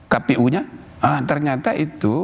kpu nya ternyata itu